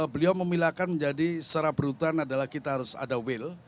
beliau memilahkan menjadi secara berurutan adalah kita harus ada will